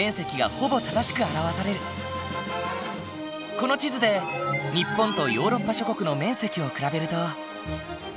この地図で日本とヨーロッパ諸国の面積を比べると。